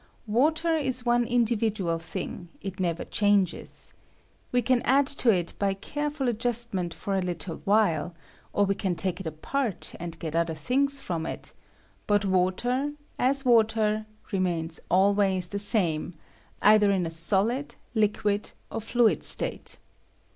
Water is one individ ual thing ; it never changes. We can add to it i. (W WATER A RESULT OF COMBUSTION, by careful adjustment for a little while, or we caa take it apart and get other things from it ; but water, as water, remains always the same, either in a sohd, hquid, or fluid state.